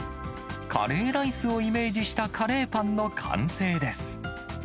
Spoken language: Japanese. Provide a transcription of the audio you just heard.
カレーライスをイメージしたカレーパンの完成です。